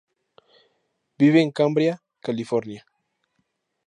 Vive en Cambria, California.